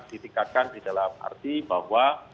ditingkatkan di dalam arti bahwa